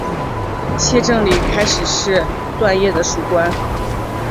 谢正礼开始是段业的属官。